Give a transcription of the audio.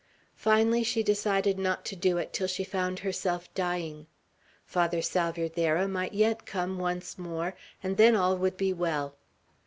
Finally she decided not to do it till she found herself dying. Father Salvierderra might yet come once more, and then all would be well.